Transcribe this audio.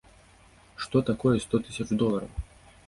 Што такое сто тысяч долараў?